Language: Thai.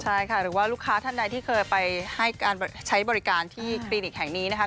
ใช่ค่ะหรือว่าลูกค้าท่านใดที่เคยไปให้การใช้บริการที่คลินิกแห่งนี้นะคะ